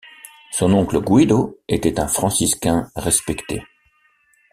Son oncle Guido était un franciscain respecté.